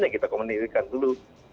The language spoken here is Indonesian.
ya kita komunikasikan dulu